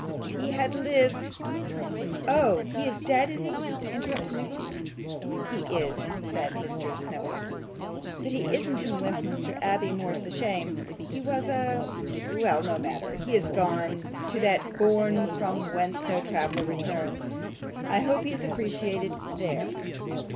If he had lived ' 'Oh, he is dead, is he?' interrupted Nicholas. 'He is,' said Mr. Snevellicci, 'but he isn't in Westminster Abbey, more's the shame. He was a . Well, no matter. He is gone to that bourne from whence no traveller returns. I hope he is appreciated THERE.